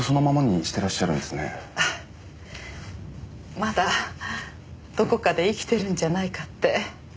まだどこかで生きてるんじゃないかって。